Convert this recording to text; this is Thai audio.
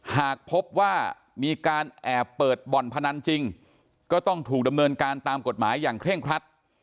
หากพบว่ามีการแอบเปิดบ่อนพนันจริงก็ต้องถูกดำเนินการตามกฎหมายอย่างเคร่งครัด